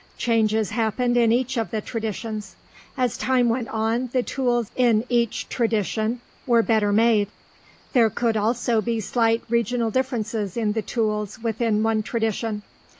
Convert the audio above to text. Changes happened in each of the traditions. As time went on, the tools in each tradition were better made. There could also be slight regional differences in the tools within one tradition.